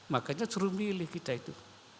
makanya suruh milih kita itu